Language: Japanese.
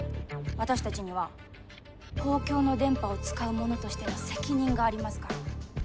私たちには公共の電波を使う者としての責任がありますから！